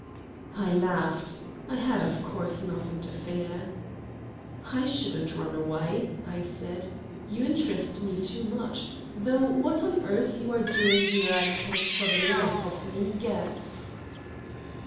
I laughed. I had, of course, nothing to fear. "I shouldn't run away," I said. "You interest me too much, though what on earth you are doing here I can't for the life of me guess."